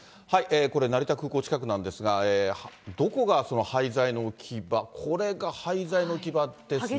これ、成田空港近くなんですが、どこがその廃材の置き場、これが廃材の置き場ですね。